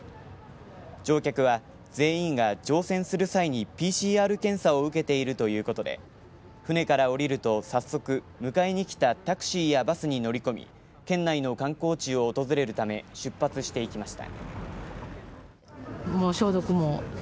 乗客は全員が乗船する際にＰＣＲ検査を受けているということで船から降りると早速迎えに来たタクシーやバスに乗り込み県内の観光地を訪れるため出発していきました。